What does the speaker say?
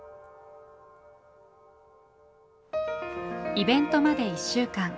イベントまで１週間。